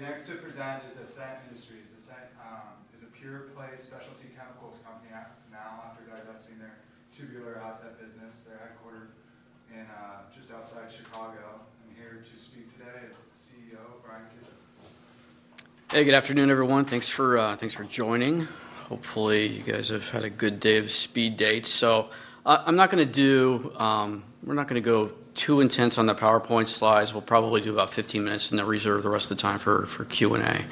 Next to present is Ascent Industries. Ascent is a pure-play specialty chemicals company now, after divesting their tubular asset business. They're headquartered just outside Chicago. And here to speak today is CEO Bryan Kitchen. Hey, good afternoon, everyone. Thanks for joining. Hopefully, you guys have had a good day of speed dates, so I'm not going to do, we're not going to go too intense on the PowerPoint slides. We'll probably do about 15 minutes and then reserve the rest of the time for Q&A,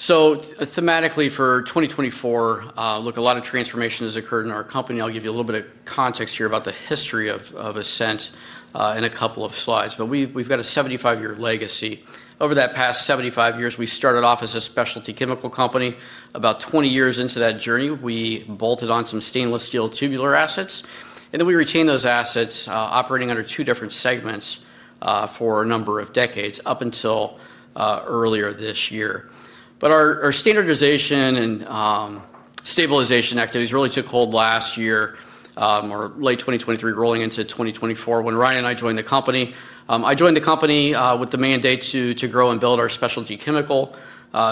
so thematically for 2024, look, a lot of transformation has occurred in our company. I'll give you a little bit of context here about the history of Ascent in a couple of slides, but we've got a 75-year legacy. Over that past 75 years, we started off as a specialty chemical company. About 20 years into that journey, we bolted on some stainless steel tubular assets, and then we retained those assets, operating under two different segments for a number of decades, up until earlier this year. But our standardization and stabilization activities really took hold last year, or late 2023, rolling into 2024, when Ryan and I joined the company. I joined the company with the mandate to grow and build our specialty chemical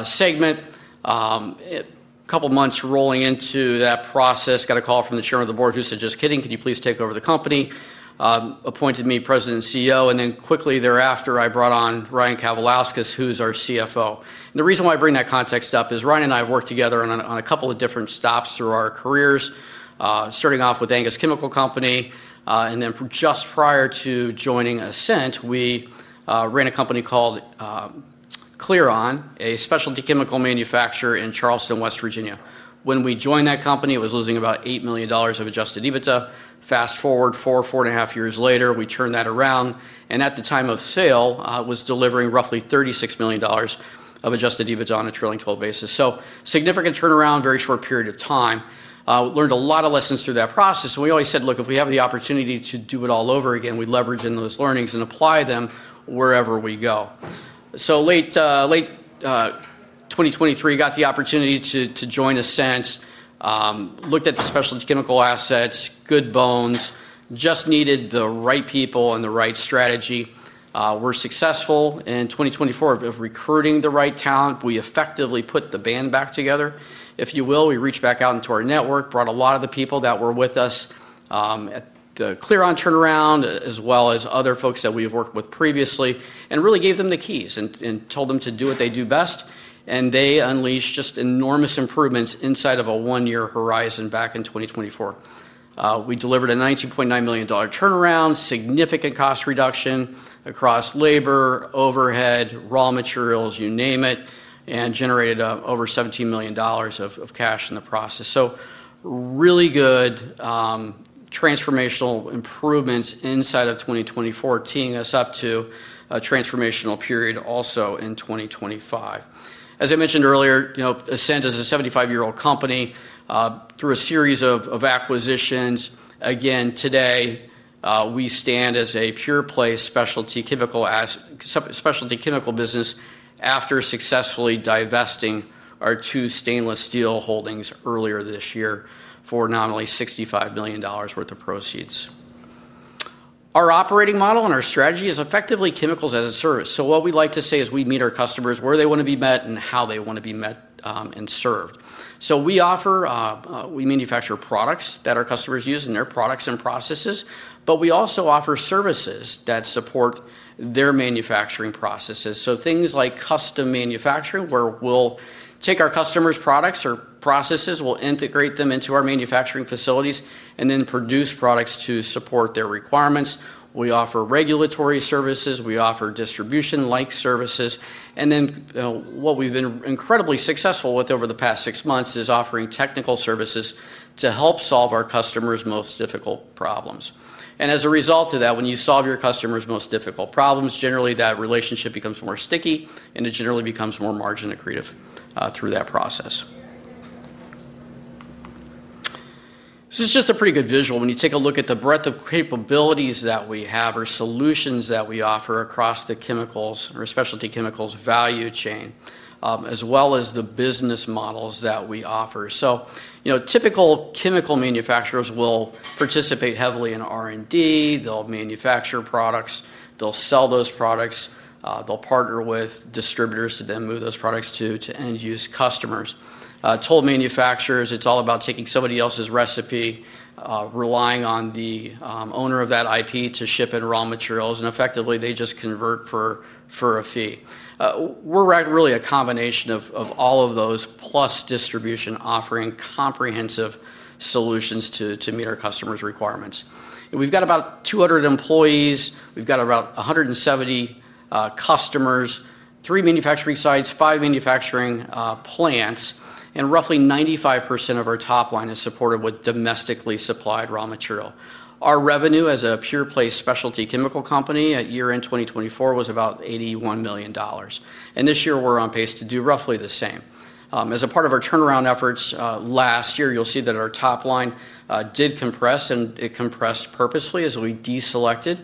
segment. A couple of months rolling into that process, got a call from the chairman of the board, who said, "Just kidding. Can you please take over the company?", appointed me President and CEO. And then quickly thereafter, I brought on Ryan Kavalauskas, who's our CFO. And the reason why I bring that context up is Ryan and I have worked together on a couple of different stops through our careers, starting off with ANGUS Chemical Company. And then just prior to joining Ascent, we ran a company called Clearon, a specialty chemical manufacturer in Charleston, West Virginia. When we joined that company, it was losing about $8 million of adjusted EBITDA. Fast forward four, four and a half years later, we turned that around and at the time of sale, it was delivering roughly $36 million of adjusted EBITDA on a trailing 12 basis so significant turnaround, very short period of time. Learned a lot of lessons through that process and we always said, "Look, if we have the opportunity to do it all over again, we'd leverage in those learnings and apply them wherever we go". So, late 2023, got the opportunity to join Ascent. Looked at the specialty chemical assets, good bones, just needed the right people and the right strategy. We're successful in 2024 of recruiting the right talent. We effectively put the band back together, if you will. We reached back out into our network, brought a lot of the people that were with us at the Clearon turnaround, as well as other folks that we have worked with previously, and really gave them the keys and told them to do what they do best, and they unleashed just enormous improvements inside of a one-year horizon back in 2024. We delivered a $19.9 million turnaround, significant cost reduction across labor, overhead, raw materials, you name it, and generated over $17 million of cash in the process, so really good transformational improvements inside of 2024, teeing us up to a transformational period also in 2025. As I mentioned earlier, Ascent is a 75-year-old company through a series of acquisitions. Again, today, we stand as a pure-play specialty chemical business after successfully divesting our two stainless steel holdings earlier this year for not only $65 million worth of proceeds. Our operating model and our strategy is effectively chemicals as a service. So what we like to say is we meet our customers where they want to be met and how they want to be met and served. So we offer, we manufacture products that our customers use in their products and processes, but we also offer services that support their manufacturing processes. So things like custom manufacturing, where we'll take our customers' products or processes, we'll integrate them into our manufacturing facilities, and then produce products to support their requirements. We offer regulatory services. We offer distribution-like services. And then what we've been incredibly successful with over the past six months is offering technical services to help solve our customers' most difficult problems. As a result of that, when you solve your customers' most difficult problems, generally that relationship becomes more sticky, and it generally becomes more margin accretive through that process. This is just a pretty good visual. When you take a look at the breadth of capabilities that we have, our solutions that we offer across the chemicals, our specialty chemicals value chain, as well as the business models that we offer. So typical chemical manufacturers will participate heavily in R&D. They will manufacture products. They will sell those products. They will partner with distributors to then move those products to end-use customers. Toll manufacturers, it is all about taking somebody else's recipe, relying on the owner of that IP to ship in raw materials. And effectively, they just convert for a fee. We are really a combination of all of those, plus distribution, offering comprehensive solutions to meet our customers' requirements. We've got about 200 employees. We've got about 170 customers, three manufacturing sites, five manufacturing plants, and roughly 95% of our top line is supported with domestically supplied raw material. Our revenue as a pure-play specialty chemical company at year-end 2024 was about $81 million, and this year, we're on pace to do roughly the same. As a part of our turnaround efforts last year, you'll see that our top line did compress, and it compressed purposely as we deselected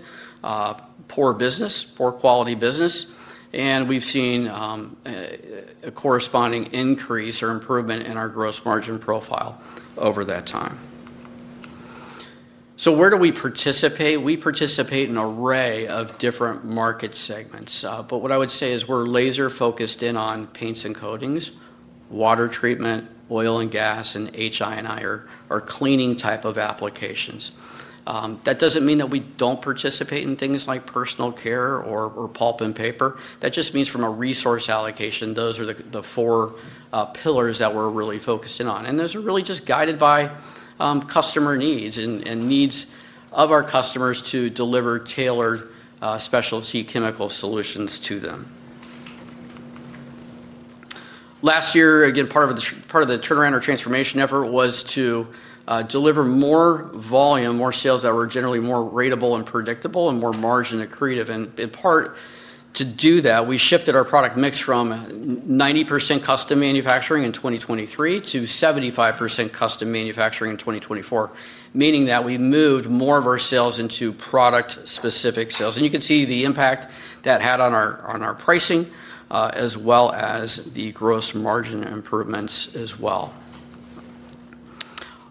poor business, poor quality business, and we've seen a corresponding increase or improvement in our gross margin profile over that time, so where do we participate? We participate in an array of different market segments, but what I would say is we're laser-focused in on paints and coatings, water treatment, oil and gas, and HI&I are cleaning type of applications. That doesn't mean that we don't participate in things like personal care or pulp and paper. That just means from a resource allocation, those are the four pillars that we're really focused in on. And those are really just guided by customer needs and needs of our customers to deliver tailored specialty chemical solutions to them. Last year, again, part of the turnaround or transformation effort was to deliver more volume, more sales that were generally more ratable and predictable and more margin accretive. And in part to do that, we shifted our product mix from 90% custom manufacturing in 2023 to 75% custom manufacturing in 2024, meaning that we moved more of our sales into product-specific sales. And you can see the impact that had on our pricing as well as the gross margin improvements as well.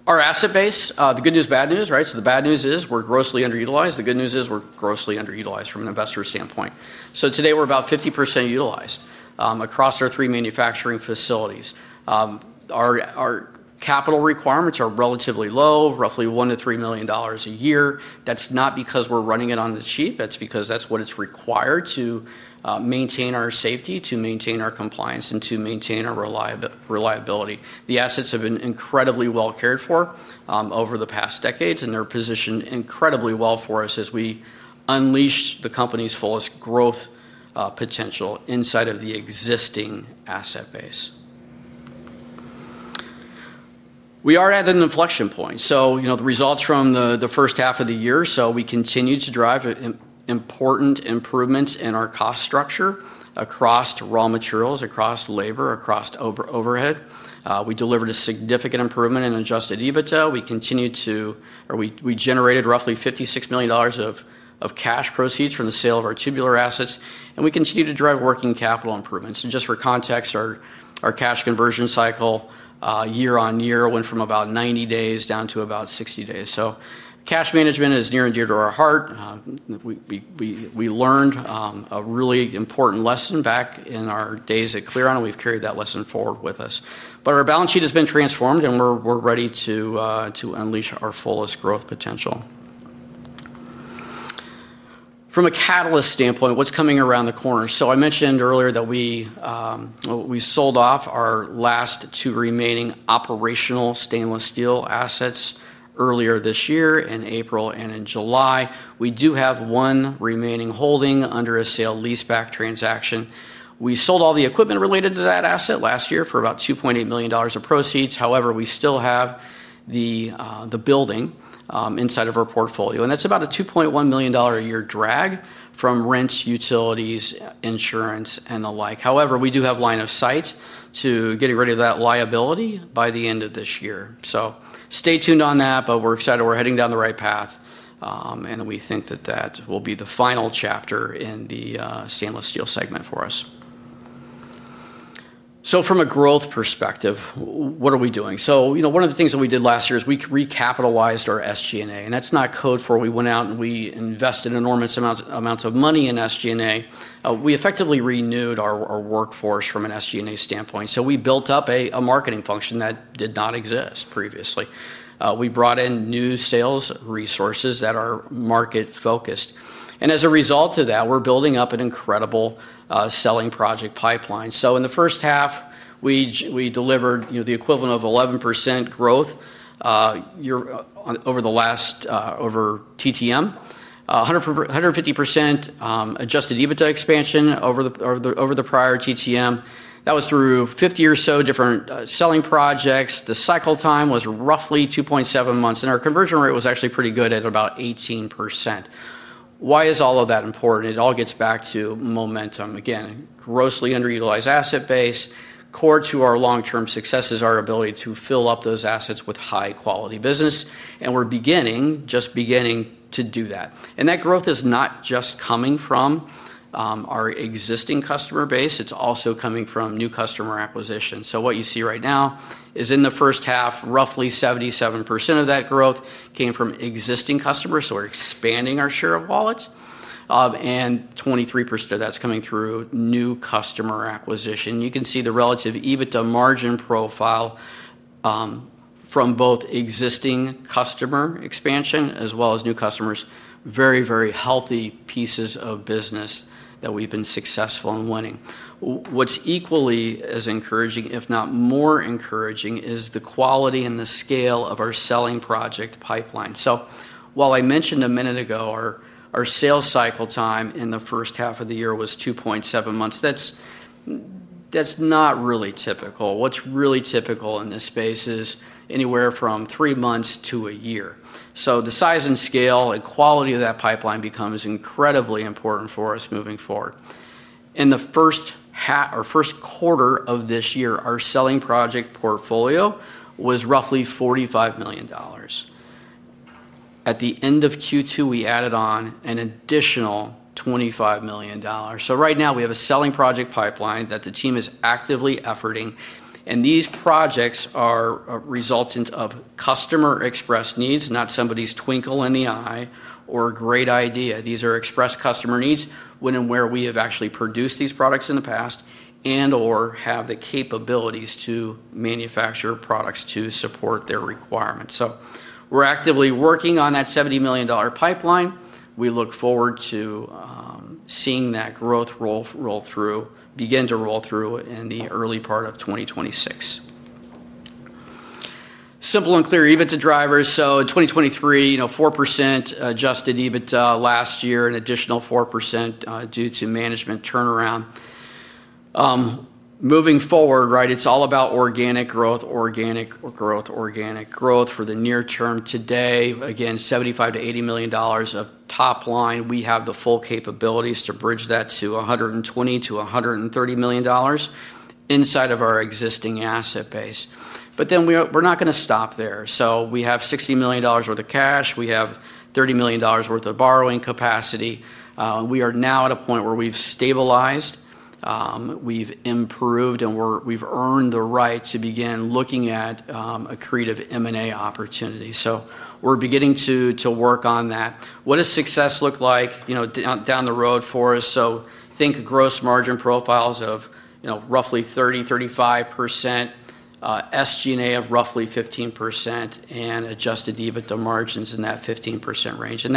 Our asset base, the good news, bad news, right? So the bad news is we're grossly underutilized. The good news is we're grossly underutilized from an investor standpoint. So today, we're about 50% utilized across our three manufacturing facilities. Our capital requirements are relatively low, roughly $1 million-$3 million a year. That's not because we're running it on the cheap. That's because that's what it's required to maintain our safety, to maintain our compliance, and to maintain our reliability. The assets have been incredibly well cared for over the past decades, and they're positioned incredibly well for us as we unleash the company's fullest growth potential inside of the existing asset base. We are at an inflection point. So the results from the first half of the year. So we continue to drive important improvements in our cost structure across raw materials, across labor, across overhead. We delivered a significant improvement in adjusted EBITDA. We continued to, or we generated roughly $56 million of cash proceeds from the sale of our tubular assets. And we continue to drive working capital improvements. And just for context, our cash conversion cycle year-on-year went from about 90 days down to about 60 days. So cash management is near and dear to our heart. We learned a really important lesson back in our days at Clearon, and we've carried that lesson forward with us. But our balance sheet has been transformed, and we're ready to unleash our fullest growth potential. From a catalyst standpoint, what's coming around the corner? So I mentioned earlier that we sold off our last two remaining operational stainless steel assets earlier this year in April and in July. We do have one remaining holding under a sale leaseback transaction. We sold all the equipment related to that asset last year for about $2.8 million of proceeds. However, we still have the building inside of our portfolio, and that's about a $2.1 million a year drag from rent, utilities, insurance, and the like. However, we do have line of sight to getting rid of that liability by the end of this year, so stay tuned on that, but we're excited we're heading down the right path, and we think that that will be the final chapter in the stainless steel segment for us. So, from a growth perspective, what are we doing? So one of the things that we did last year is we recapitalized our SG&A, and that's not code for we went out and we invested enormous amounts of money in SG&A. We effectively renewed our workforce from an SG&A standpoint. So we built up a marketing function that did not exist previously. We brought in new sales resources that are market-focused. And as a result of that, we're building up an incredible selling project pipeline. So in the first half, we delivered the equivalent of 11% growth over the last TTM, 150% adjusted EBITDA expansion over the prior TTM. That was through 50 or so different selling projects. The cycle time was roughly 2.7 months. And our conversion rate was actually pretty good at about 18%. Why is all of that important? It all gets back to momentum. Again, grossly underutilized asset base, core to our long-term success is our ability to fill up those assets with high-quality business. And we're beginning, just beginning to do that. And that growth is not just coming from our existing customer base. It's also coming from new customer acquisitions. So what you see right now is in the first half, roughly 77% of that growth came from existing customers. So we're expanding our share of wallets. And 23% of that's coming through new customer acquisition. You can see the relative EBITDA margin profile from both existing customer expansion as well as new customers. Very, very healthy pieces of business that we've been successful in winning. What's equally as encouraging, if not more encouraging, is the quality and the scale of our selling project pipeline. So while I mentioned a minute ago, our sales cycle time in the first half of the year was 2.7 months. That's not really typical. What's really typical in this space is anywhere from three months to a year. So the size and scale and quality of that pipeline becomes incredibly important for us moving forward. In the first quarter of this year, our selling project portfolio was roughly $45 million. At the end of Q2, we added on an additional $25 million, so right now, we have a selling project pipeline that the team is actively efforting, and these projects are resultant of customer express needs, not somebody's twinkle in the eye or great idea. These are express customer needs when and where we have actually produced these products in the past and/or have the capabilities to manufacture products to support their requirements. So we're actively working on that $70 million pipeline. We look forward to seeing that growth roll through, begin to roll through in the early part of 2026. Simple and clear EBITDA drivers, so 2023, 4% adjusted EBITDA last year, an additional 4% due to management turnaround. Moving forward, right, it's all about organic growth, organic growth, organic growth for the near term today. Again, $75 million-$80 million of top line. We have the full capabilities to bridge that to $120 million-$130 million inside of our existing asset base. But then we're not going to stop there. So we have $60 million worth of cash. We have $30 million worth of borrowing capacity. We are now at a point where we've stabilized. We've improved, and we've earned the right to begin looking at accretive M&A opportunities. So we're beginning to work on that. What does success look like down the road for us? So think gross margin profiles of roughly 30%-35%, SG&A of roughly 15%, and adjusted EBITDA margins in that 15% range. And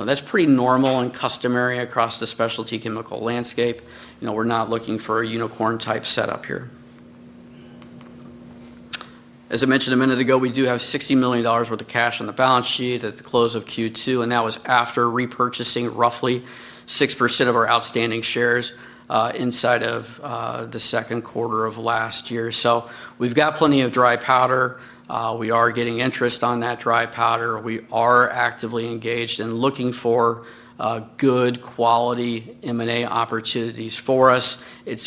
that's pretty normal and customary across the specialty chemical landscape. We're not looking for a unicorn-type setup here. As I mentioned a minute ago, we do have $60 million worth of cash on the balance sheet at the close of Q2. And that was after repurchasing roughly 6% of our outstanding shares inside of the second quarter of last year. So we've got plenty of dry powder. We are getting interest on that dry powder. We are actively engaged and looking for good quality M&A opportunities for us.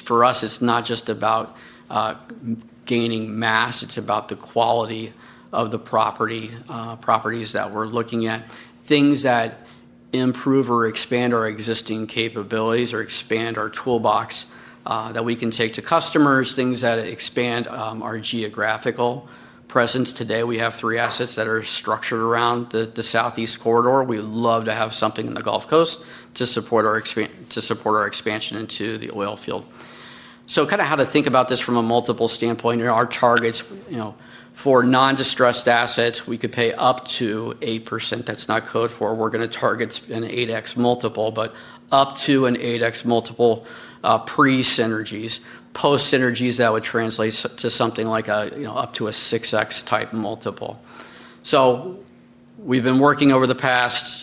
For us, it's not just about gaining mass. It's about the quality of the properties that we're looking at, things that improve or expand our existing capabilities or expand our toolbox that we can take to customers, things that expand our geographical presence. Today, we have three assets that are structured around the southeast corridor. We love to have something in the Gulf Coast to support our expansion into the oil field. So kind of how to think about this from a multiple standpoint. Our targets for non-distressed assets, we could pay up to 8%. That's not code for we're going to target an 8X multiple, but up to an 8X multiple pre-synergies, post-synergies that would translate to something like up to a 6X type multiple. So we've been working over the past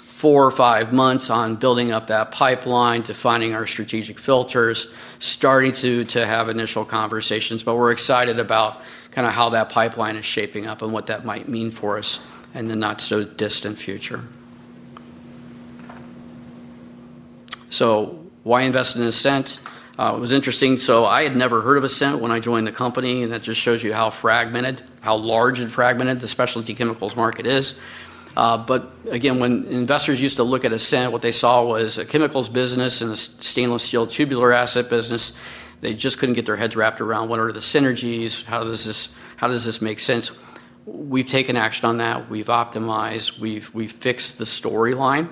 four or five months on building up that pipeline, defining our strategic filters, starting to have initial conversations. But we're excited about kind of how that pipeline is shaping up and what that might mean for us in the not-so-distant future. So why invest in Ascent? It was interesting. So I had never heard of Ascent when I joined the company. And that just shows you how fragmented, how large and fragmented the specialty chemicals market is. But again, when investors used to look at Ascent, what they saw was a chemicals business and a stainless steel tubular asset business. They just couldn't get their heads wrapped around what are the synergies? How does this make sense? We've taken action on that. We've optimized. We've fixed the storyline.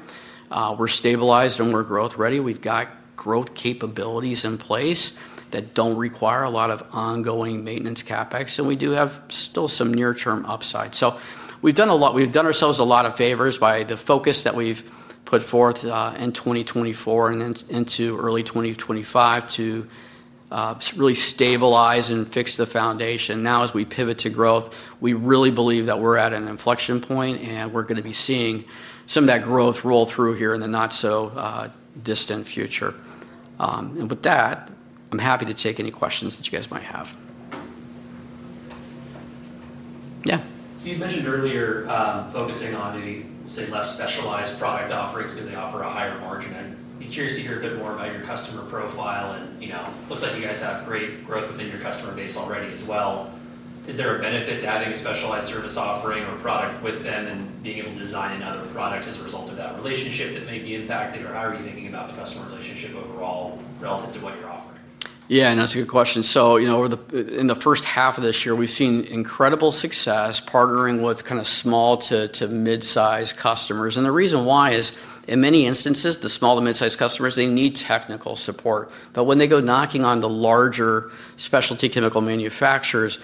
We're stabilized and we're growth-ready. We've got growth capabilities in place that don't require a lot of ongoing maintenance CapEx. And we do have still some near-term upside. So we've done a lot. We've done ourselves a lot of favors by the focus that we've put forth in 2024 and into early 2025 to really stabilize and fix the foundation. Now, as we pivot to growth, we really believe that we're at an inflection point, and we're going to be seeing some of that growth roll through here in the not-so-distant future. And with that, I'm happy to take any questions that you guys might have. Yeah. So you mentioned earlier focusing on, say, less specialized product offerings because they offer a higher margin. I'd be curious to hear a bit more about your customer profile. And it looks like you guys have great growth within your customer base already as well. Is there a benefit to having a specialized service offering or product with them and being able to design another product as a result of that relationship that may be impacted? Or how are you thinking about the customer relationship overall relative to what you're offering? Yeah, and that's a good question. So in the first half of this year, we've seen incredible success partnering with kind of small to mid-size customers. And the reason why is, in many instances, the small to mid-size customers, they need technical support. But when they go knocking on the larger specialty chemical manufacturers,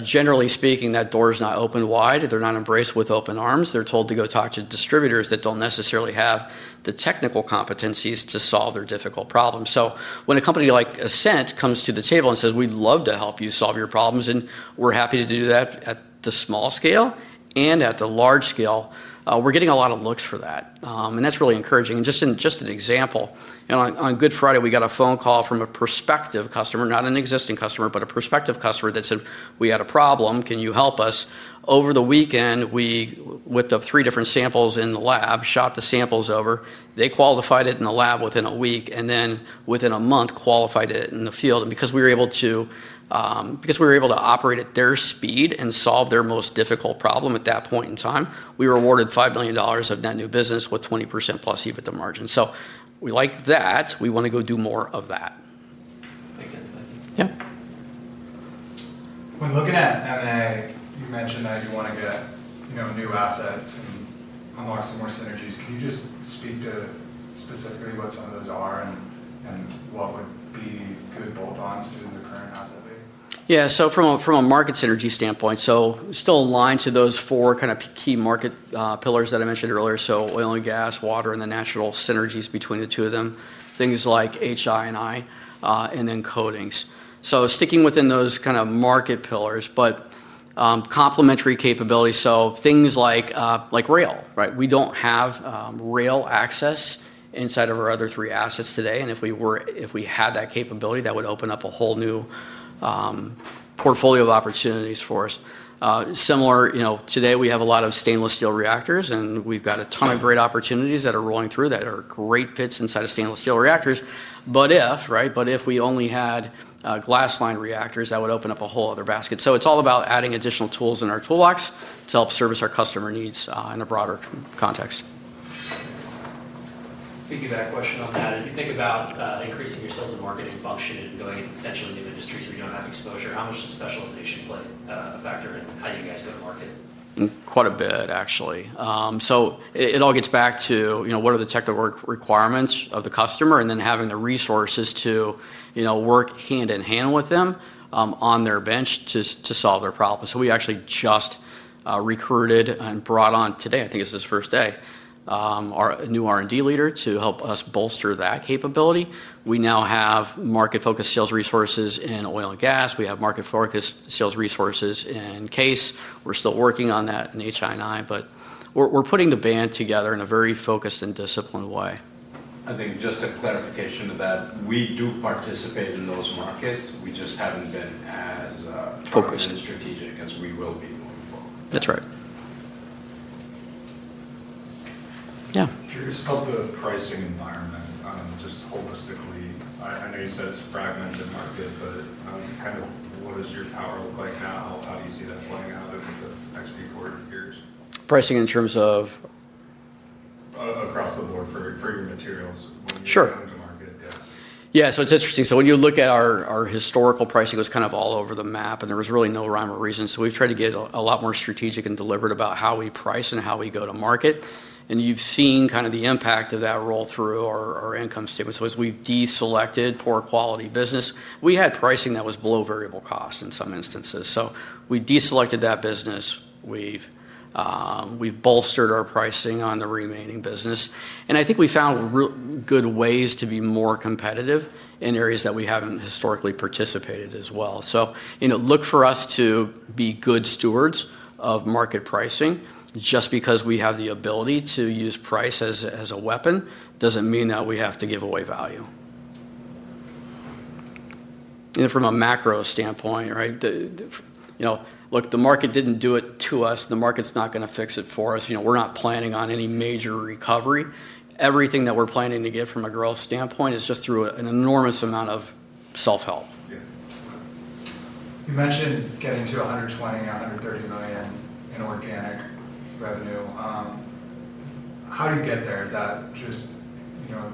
generally speaking, that door is not open wide. They're not embraced with open arms. They're told to go talk to distributors that don't necessarily have the technical competencies to solve their difficult problem. So when a company like Ascent comes to the table and says, "We'd love to help you solve your problems," and we're happy to do that at the small scale and at the large scale, we're getting a lot of looks for that. And that's really encouraging. And just an example, on Good Friday, we got a phone call from a prospective customer, not an existing customer, but a prospective customer that said, "We had a problem. Can you help us?" Over the weekend, we whipped up three different samples in the lab, shot the samples over. They qualified it in the lab within a week, and then within a month, qualified it in the field, and because we were able to operate at their speed and solve their most difficult problem at that point in time, we rewarded $5 million of net new business with 20% plus EBITDA margin, so we like that. We want to go do more of that. Makes sense. Thank you. Yeah. When looking at M&A, you mentioned that you want to get new assets and unlock some more synergies. Can you just speak to specifically what some of those are and what would be good bolt-ons to the current asset base? Yeah. So from a market synergy standpoint, still aligned to those four kind of key market pillars that I mentioned earlier. Oil and gas, water, and the natural synergies between the two of them, things like HI&I, and then coatings. Sticking within those kind of market pillars, but complementary capability. Things like rail, right? We don't have rail access inside of our other three assets today. If we had that capability, that would open up a whole new portfolio of opportunities for us. Similarly, today, we have a lot of stainless steel reactors, and we've got a ton of great opportunities that are rolling through that are great fits inside of stainless steel reactors. Right, but if we only had glass-lined reactors, that would open up a whole other basket. It's all about adding additional tools in our toolbox to help service our customer needs in a broader context. Thank you for that question on that. As you think about increasing your sales and marketing function and going into potentially new industries where you don't have exposure, how much does specialization play a factor in how you guys go to market? Quite a bit, actually. So it all gets back to what are the technical requirements of the customer and then having the resources to work hand in hand with them on their bench to solve their problem. So we actually just recruited and brought on today, I think it's his first day, our new R&D leader to help us bolster that capability. We now have market-focused sales resources in oil and gas. We have market-focused sales resources in CASE. We're still working on that in HI&I, but we're putting the band together in a very focused and disciplined way. I think just a clarification of that. We do participate in those markets. We just haven't been as focused and strategic as we will be going forward. That's right. Yeah. Curious about the pricing environment, just holistically. I know you said it's a fragmented market, but kind of what does your power look like now? How do you see that playing out over the next few quarter years? Pricing in terms of? Across the board for your materials. When you're going to market, yeah. Yeah. So it's interesting. So when you look at our historical pricing, it was kind of all over the map, and there was really no rhyme or reason. So we've tried to get a lot more strategic and deliberate about how we price and how we go to market. And you've seen kind of the impact of that roll through our income statement. So as we've deselected poor quality business, we had pricing that was below variable cost in some instances. So we deselected that business. We've bolstered our pricing on the remaining business. And I think we found good ways to be more competitive in areas that we haven't historically participated as well. So look for us to be good stewards of market pricing. Just because we have the ability to use price as a weapon doesn't mean that we have to give away value. And from a macro standpoint, right, look, the market didn't do it to us. The market's not going to fix it for us. We're not planning on any major recovery. Everything that we're planning to get from a growth standpoint is just through an enormous amount of self-help. Yeah. You mentioned getting to $120 million-$130 million in organic revenue. How do you get there? Is that just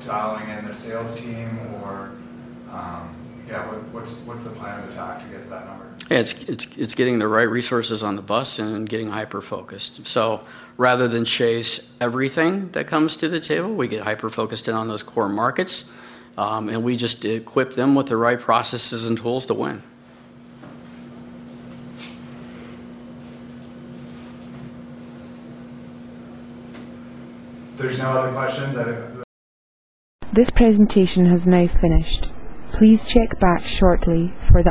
dialing in the sales team? Or yeah, what's the plan of attack to get to that number? It's getting the right resources on the bus and getting hyper-focused. So rather than chase everything that comes to the table, we get hyper-focused in on those core markets, and we just equip them with the right processes and tools to win. There's no other questions. I... This presentation has now finished. Please check back shortly for the...